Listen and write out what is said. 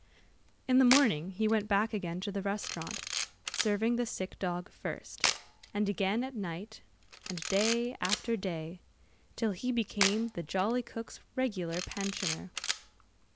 In the morning he went back again to the restaurant, serving the sick dog first, and again at night, and day after day, till he became the jolly cook's regular pensioner.